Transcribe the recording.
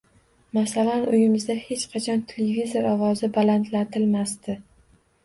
Masalan, uyimizda hech qachon televizor ovozi balandlatilmasdi.